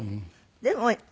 でも。